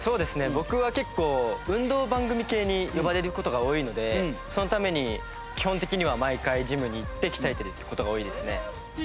僕は結構運動番組系に呼ばれる事が多いのでそのために基本的には毎回ジムに行って鍛えてるって事が多いですね。